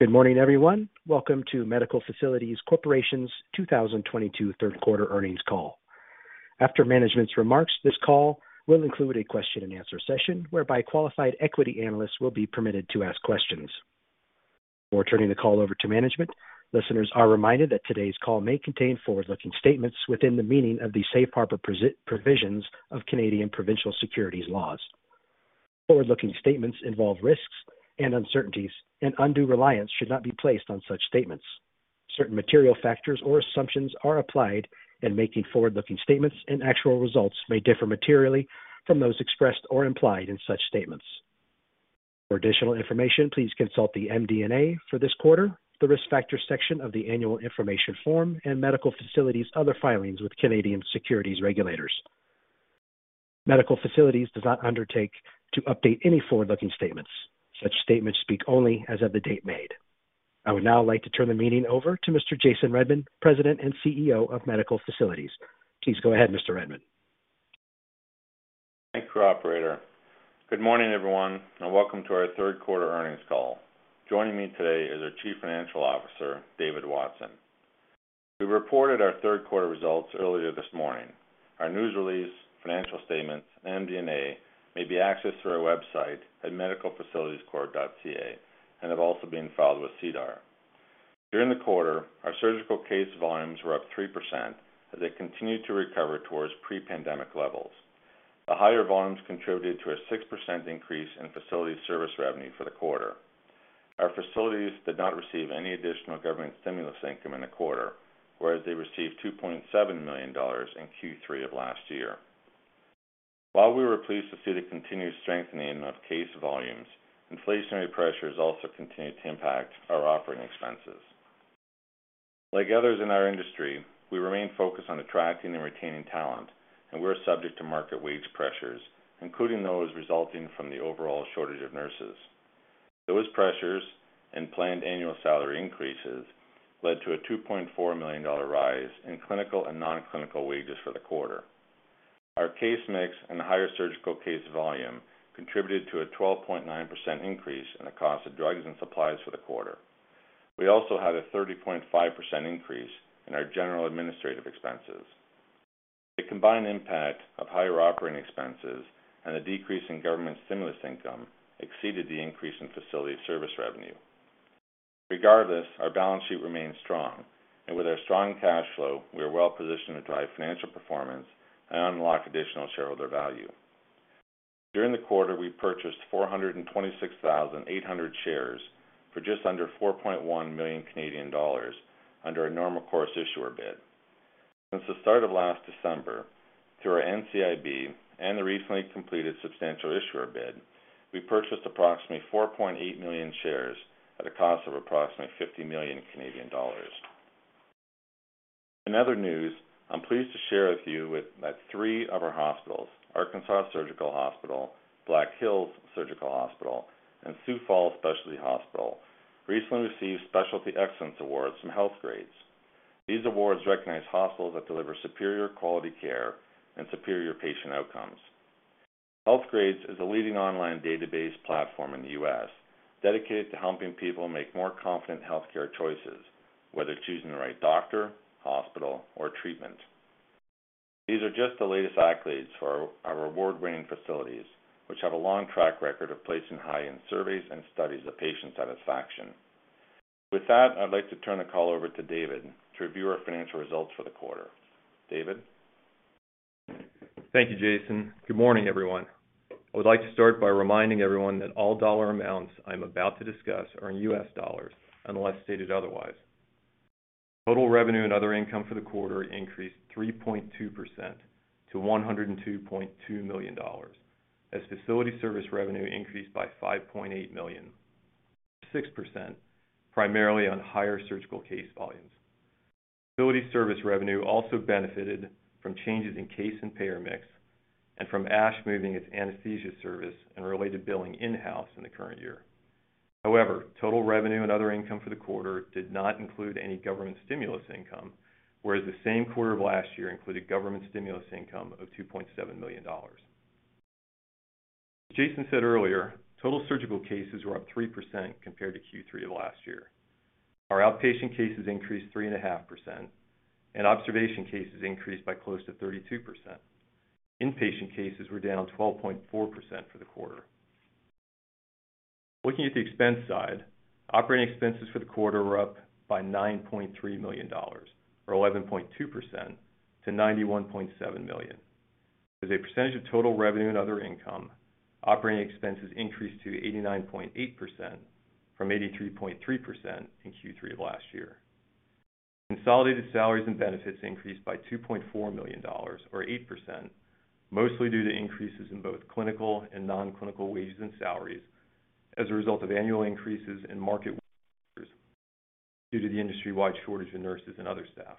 Good morning, everyone. Welcome to Medical Facilities Corporation's 2022 third quarter earnings call. After management's remarks, this call will include a question-and-answer session whereby qualified equity analysts will be permitted to ask questions. Before turning the call over to management, listeners are reminded that today's call may contain forward-looking statements within the meaning of the safe harbor provisions of Canadian provincial securities laws. Forward-looking statements involve risks and uncertainties, and undue reliance should not be placed on such statements. Certain material factors or assumptions are applied in making forward-looking statements, and actual results may differ materially from those expressed or implied in such statements. For additional information, please consult the MD&A for this quarter, the Risk Factors section of the Annual Information Form, and Medical Facilities' other filings with Canadian securities regulators. Medical Facilities does not undertake to update any forward-looking statements. Such statements speak only as of the date made. I would now like to turn the meeting over to Mr. Jason Redman, President and CEO of Medical Facilities. Please go ahead, Mr. Redman. Thank you, operator. Good morning, everyone, and welcome to our third quarter earnings call. Joining me today is our Chief Financial Officer, David Watson. We reported our third quarter results earlier this morning. Our news release, financial statements, MD&A may be accessed through our website at medicalfacilitiescorp.ca and have also been filed with SEDAR. During the quarter, our surgical case volumes were up 3% as they continued to recover towards pre-pandemic levels. The higher volumes contributed to a 6% increase in facility service revenue for the quarter. Our facilities did not receive any additional government stimulus income in the quarter, whereas they received $2.7 million in Q3 of last year. While we were pleased to see the continued strengthening of case volumes, inflationary pressures also continued to impact our operating expenses. Like others in our industry, we remain focused on attracting and retaining talent, and we're subject to market wage pressures, including those resulting from the overall shortage of nurses. Those pressures and planned annual salary increases led to a $2.4 million rise in clinical and non-clinical wages for the quarter. Our case mix and higher surgical case volume contributed to a 12.9% increase in the cost of drugs and supplies for the quarter. We also had a 30.5% increase in our general administrative expenses. The combined impact of higher operating expenses and a decrease in government stimulus income exceeded the increase in facility service revenue. Regardless, our balance sheet remains strong, and with our strong cash flow, we are well-positioned to drive financial performance and unlock additional shareholder value. During the quarter, we purchased 426,800 shares for just under 4.1 million Canadian dollars under a Normal Course Issuer Bid. Since the start of last December, through our NCIB and the recently completed Substantial Issuer Bid, we purchased approximately 4.8 million shares at a cost of approximately 50 million Canadian dollars. In other news, I'm pleased to share with you that three of our hospitals, Arkansas Surgical Hospital, Black Hills Surgical Hospital, and Sioux Falls Specialty Hospital, recently received Specialty Excellence Awards from Healthgrades. These awards recognize hospitals that deliver superior quality care and superior patient outcomes. Healthgrades is a leading online database platform in the U.S. dedicated to helping people make more confident healthcare choices, whether choosing the right doctor, hospital, or treatment. These are just the latest accolades for our award-winning facilities, which have a long track record of placing high in surveys and studies of patient satisfaction. With that, I'd like to turn the call over to David to review our financial results for the quarter. David? Thank you, Jason. Good morning, everyone. I would like to start by reminding everyone that all dollar amounts I'm about to discuss are in U.S. dollars unless stated otherwise. Total revenue and other income for the quarter increased 3.2% to $102.2 million as facility service revenue increased by $5.8 million, 6% primarily on higher surgical case volumes. Facility service revenue also benefited from changes in case and payer mix and from Arkansas moving its anesthesia service and related billing in-house in the current year. However, total revenue and other income for the quarter did not include any government stimulus income, whereas the same quarter of last year included government stimulus income of $2.7 million. As Jason said earlier, total surgical cases were up 3% compared to Q3 of last year. Our outpatient cases increased 3.5%, and observation cases increased by close to 32%. Inpatient cases were down 12.4% for the quarter. Looking at the expense side, operating expenses for the quarter were up by $9.3 million or 11.2% to $91.7 million. As a percentage of total revenue and other income, operating expenses increased to 89.8% from 83.3% in Q3 of last year. Consolidated salaries and benefits increased by $2.4 million or 8%, mostly due to increases in both clinical and non-clinical wages and salaries as a result of annual increases in market due to the industry-wide shortage of nurses and other staff.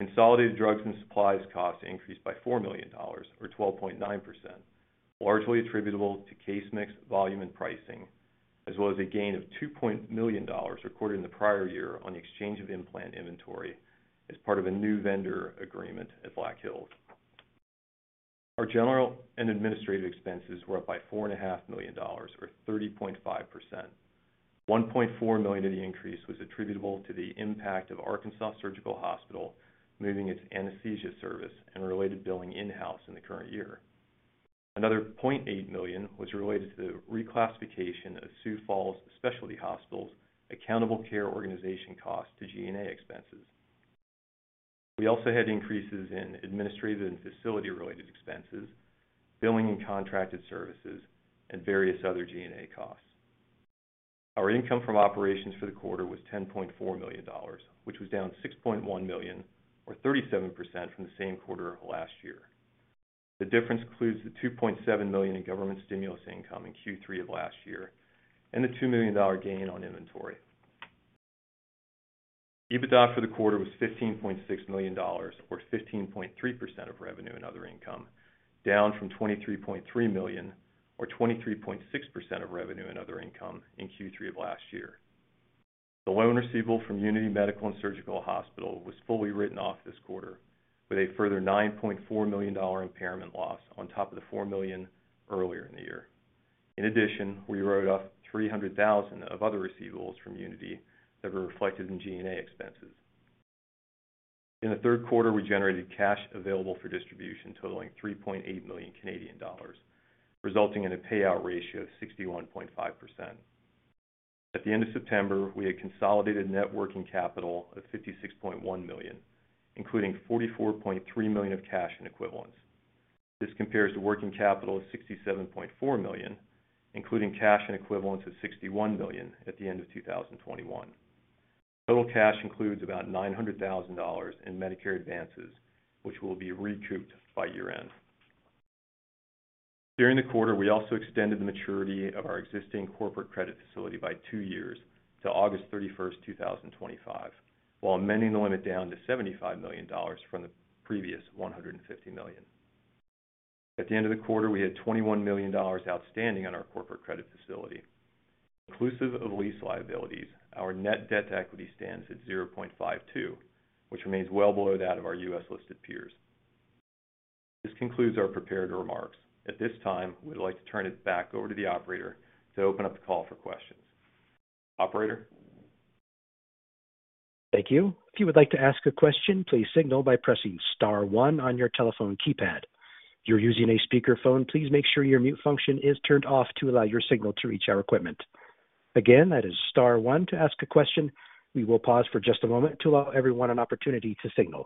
Consolidated drugs and supplies costs increased by $4 million or 12.9%, largely attributable to case mix, volume, and pricing, as well as a gain of $2 million recorded in the prior year on the exchange of implant inventory as part of a new vendor agreement at Black Hills. Our general and administrative expenses were up by $4.5 million or 30.5%. $1.4 million of the increase was attributable to the impact of Arkansas Surgical Hospital moving its anesthesia service and related billing in-house in the current year. Another $0.8 million was related to the reclassification of Sioux Falls Specialty Hospital's Accountable Care Organization cost to G&A expenses. We also had increases in administrative and facility-related expenses, billing and contracted services, and various other G&A costs. Our income from operations for the quarter was $10.4 million, which was down $6.1 million or 37% from the same quarter of last year. The difference includes the $2.7 million in government stimulus income in Q3 of last year and the $2 million gain on inventory. EBITDA for the quarter was $15.6 million or 15.3% of revenue and other income, down from $23.3 million or 23.6% of revenue and other income in Q3 of last year. The loan receivable from Unity Medical and Surgical Hospital was fully written off this quarter with a further $9.4 million impairment loss on top of the $4 million earlier in the year. In addition, we wrote off $300,000 of other receivables from Unity that were reflected in G&A expenses. In the third quarter, we generated Cash Available for Distribution totaling 3.8 million Canadian dollars, resulting in a payout ratio of 61.5%. At the end of September, we had consolidated net working capital of $56.1 million, including $44.3 million of cash and equivalents. This compares to working capital of $67.4 million, including cash and equivalents of $61 million at the end of 2021. Total cash includes about $900,000 in Medicare advances, which will be recouped by year-end. During the quarter, we also extended the maturity of our existing corporate credit facility by two years to August 31st, 2025, while amending the limit down to $75 million from the previous $150 million. At the end of the quarter, we had $21 million outstanding on our corporate credit facility. Inclusive of lease liabilities, our net debt to equity stands at $0.52, which remains well below that of our U.S.-listed peers. This concludes our prepared remarks. At this time, we'd like to turn it back over to the operator to open up the call for questions. Operator? Thank you. If you would like to ask a question, please signal by pressing star one on your telephone keypad. If you're using a speakerphone, please make sure your mute function is turned off to allow your signal to reach our equipment. Again, that is star one to ask a question. We will pause for just a moment to allow everyone an opportunity to signal.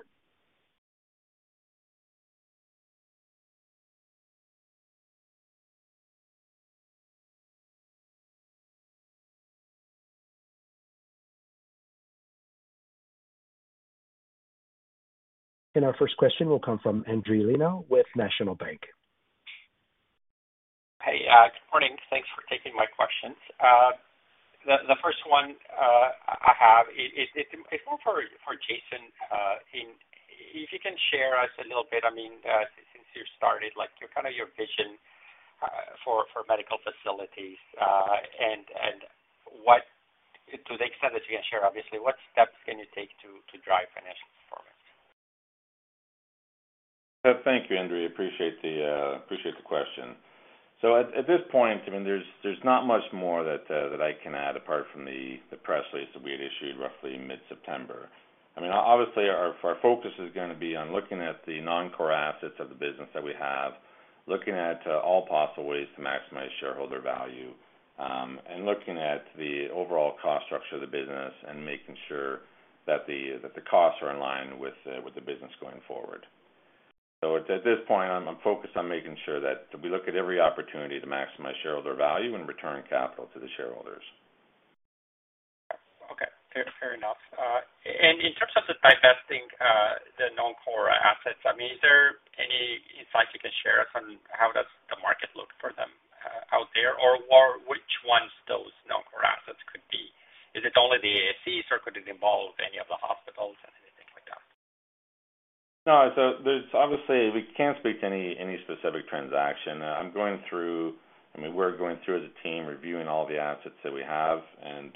Our first question will come from Endri Leno with National Bank. Hey, good morning. Thanks for taking my questions. The first one, it's more for Jason. If you can share with us a little bit, I mean, since you started, like, your kind of vision for Medical Facilities, and to the extent that you can share, obviously, what steps can you take to drive financial performance? Thank you, Endri. Appreciate the question. At this point, I mean, there's not much more that I can add apart from the press release that we had issued roughly mid-September. I mean, obviously, our focus is gonna be on looking at the non-core assets of the business that we have, looking at all possible ways to maximize shareholder value, and looking at the overall cost structure of the business and making sure that the costs are in line with the business going forward. At this point, I'm focused on making sure that we look at every opportunity to maximize shareholder value and return capital to the shareholders. Okay. Fair enough. In terms of divesting the non-core assets, I mean, is there any insight you can share us on how does the market look for them out there, or which ones those non-core assets could be? Is it only the ASCs, or could it involve any of the hospitals or anything like that? No. There's obviously we can't speak to any specific transaction. We're going through as a team, reviewing all the assets that we have and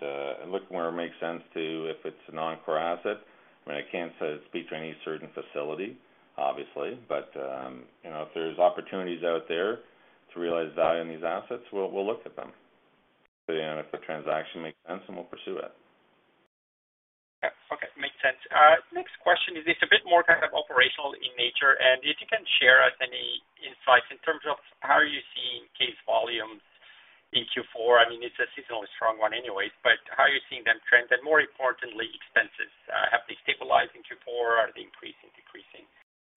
looking where it makes sense to if it's a non-core asset. I mean, I can't speak to any certain facility, obviously. You know, if there's opportunities out there to realize value in these assets, we'll look at them. You know, and if a transaction makes sense, then we'll pursue it. Yeah. Okay. Makes sense. Next question is, it's a bit more kind of operational in nature. If you can share us any insights in terms of how are you seeing case volumes in Q4. I mean, it's a seasonally strong one anyways, but how are you seeing them trend? More importantly, expenses, have they stabilized in Q4, or are they increasing, decreasing?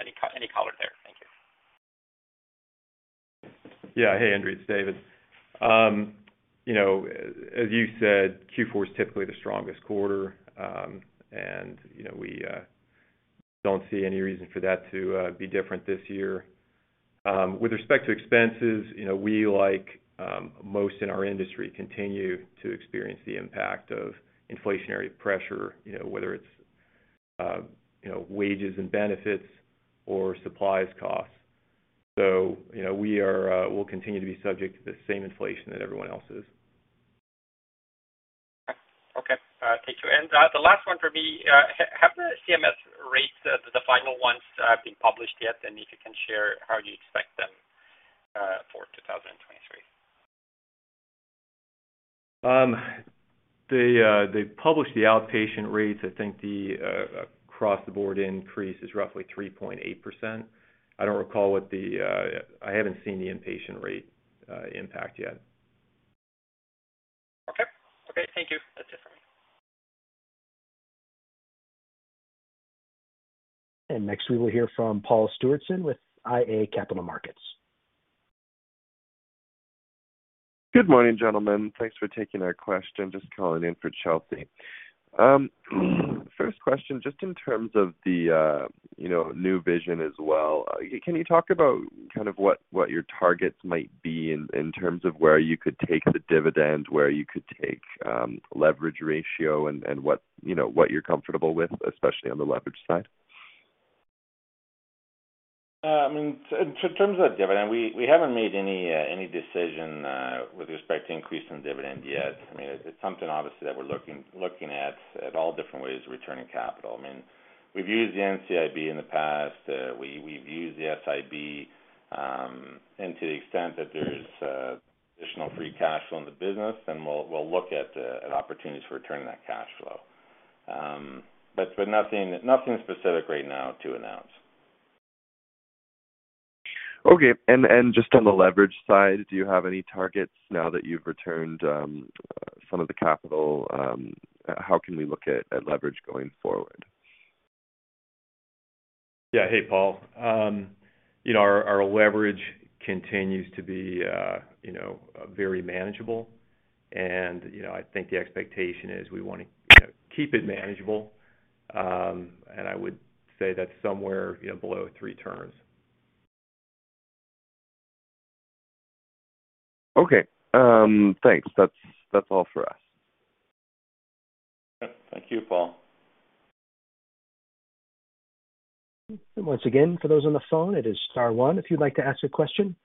Any color there? Thank you. Yeah. Hey, Endri, it's David. You know, as you said, Q4 is typically the strongest quarter. You know, we don't see any reason for that to be different this year. With respect to expenses, you know, we like most in our industry, continue to experience the impact of inflationary pressure, you know, whether it's wages and benefits or supplies costs. You know, we'll continue to be subject to the same inflation that everyone else is. The last one for me. Have the CMS rates, the final ones, been published yet? If you can share how you expect them for 2023. They published the outpatient rates. I think the across-the-board increase is roughly 3.8%. I haven't seen the inpatient rate impact yet. Okay. Okay. Thank you. That's it for me. Next, we will hear from Paul Stewardson with iA Capital Markets. Good morning, gentlemen. Thanks for taking our question. Just calling in for Chelsea. First question, just in terms of the you know, new vision as well. Can you talk about kind of what your targets might be in terms of where you could take the dividend, where you could take leverage ratio and what you know what you're comfortable with, especially on the leverage side? I mean, in terms of dividend, we haven't made any decision with respect to increasing dividend yet. I mean, it's something obviously that we're looking at all different ways of returning capital. I mean, we've used the NCIB in the past. We've used the SIB, and to the extent that there's additional free cash flow in the business, then we'll look at opportunities for returning that cash flow. Nothing specific right now to announce. Okay. Just on the leverage side, do you have any targets now that you've returned some of the capital, how can we look at leverage going forward? Yeah. Hey, Paul. You know, our leverage continues to be, you know, very manageable. You know, I think the expectation is we wanna, you know, keep it manageable. I would say that's somewhere, you know, below three times. Okay. Thanks. That's all for us. Yep. Thank you, Paul. Once again, for those on the phone, it is star one, if you'd like to ask a question.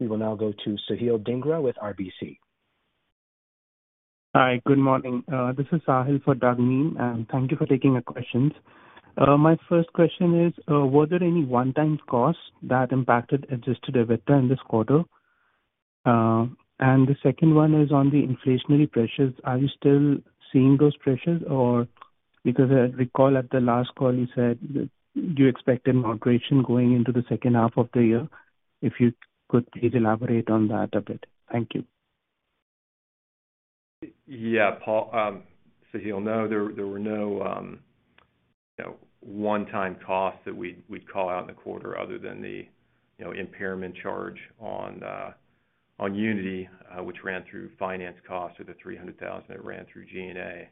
We will now go to Sahil Dhingra with RBC. Hi. Good morning. This is Sahil for Doug Miehm, and thank you for taking the questions. My first question is, was there any one-time cost that impacted adjusted EBITDA in this quarter? The second one is on the inflationary pressures. Are you still seeing those pressures? Because I recall at the last call, you said that you expect a moderation going into the second half of the year. If you could please elaborate on that a bit. Thank you. Yeah. Paul, Sahil, no, there were no, you know, one-time costs that we'd call out in the quarter other than the, you know, impairment charge on Unity, which ran through finance costs or the $300,000 that ran through G&A.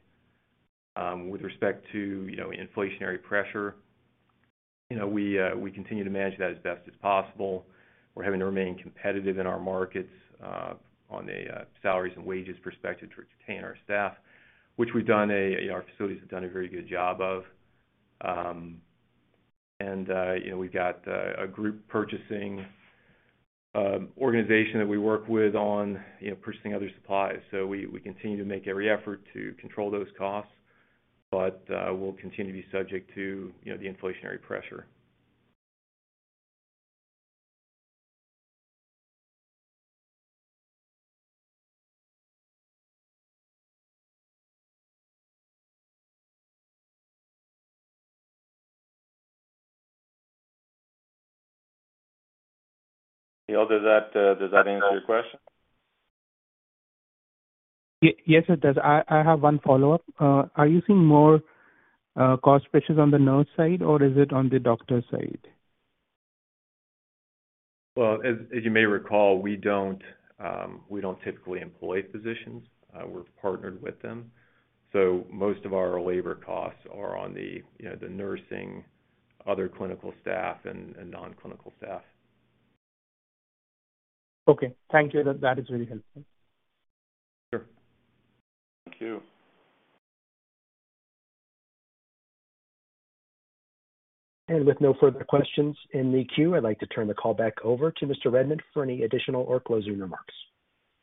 With respect to, you know, inflationary pressure, you know, we continue to manage that as best as possible. We're having to remain competitive in our markets on a salaries and wages perspective to retain our staff, which we've done. Our facilities have done a very good job of. You know, we've got a group purchasing organization that we work with on, you know, purchasing other supplies. We continue to make every effort to control those costs, but we'll continue to be subject to, you know, the inflationary pressure. Sahil, does that answer your question? Yes, it does. I have one follow-up. Are you seeing more cost pressures on the nurse side or is it on the doctor side? Well, as you may recall, we don't typically employ physicians. We're partnered with them. Most of our labor costs are on the, you know, the nursing, other clinical staff and non-clinical staff. Okay. Thank you. That is really helpful. Sure. Thank you. With no further questions in the queue, I'd like to turn the call back over to Mr. Redman for any additional or closing remarks.